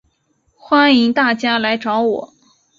欢迎大家来找我